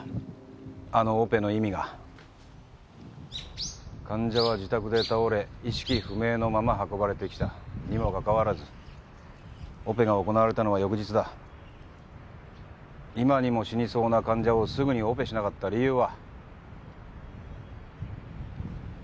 あのオペの意味が患者は自宅で倒れ意識不明のまま運ばれてきたにもかかわらずオペが行われたのは翌日だ今にも死にそうな患者をすぐにオペしなかった理由は？